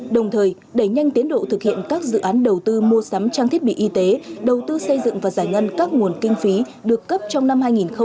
đồng thời đẩy nhanh tiến độ thực hiện các dự án đầu tư mua sắm trang thiết bị y tế đầu tư xây dựng và giải ngân các nguồn kinh phí được cấp trong năm hai nghìn một mươi chín